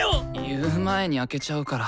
言う前に開けちゃうから。